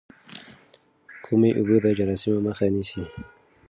کمې اوبه د جراثیمو مخه نیسي.